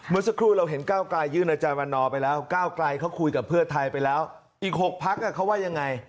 เมื่อสักครู่เราเห็นก้าวกลายยื่นอาจารย์วันนอไปแล้วก้าวไกลเขาคุยกับเพื่อไทยไปแล้วอีก๖พักเขาว่ายังไง